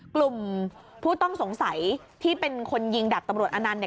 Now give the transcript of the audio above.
กลุ่มผู้ต้องสงสัยที่เป็นคนยิงดับตำรวจอนันต์เนี่ย